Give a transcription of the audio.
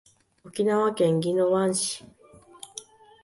沖縄県宜野湾市